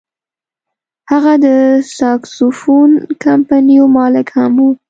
هغه د ساکسوفون کمپنیو مالک هم و.